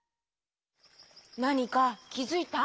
なにかきづいた？